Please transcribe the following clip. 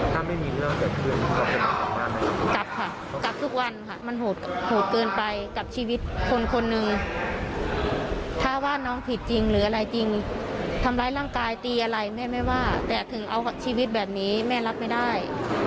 ถ้าไม่มีเรื่องแบบนี้กลับค่ะกลับทุกวันค่ะมันโหดเกินไปกับชีวิตคนคนหนึ่งถ้าว่าน้องผิดจริงหรืออะไรจริงทำร้ายร่างกายตีอะไรแม่ไม่ว่าแต่ถึงเอาชีวิตแบบนี้แม่รับไม่ได้